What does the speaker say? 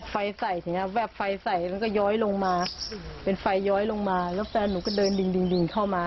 ไฟใส่ไฟใส่แล้วก็ย้อยลงมาเป็นไฟย้อยลงมาแล้วแฟนหนูก็เดินดิ่งดิ่งดิ่งเข้ามา